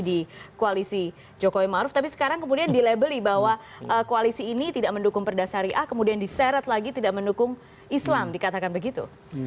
di koalisi jokowi maruf tapi sekarang kemudian dilabeli bahwa koalisi ini tidak mendukung perda syariah kemudian diseret lagi tidak mendukung islam dikatakan begitu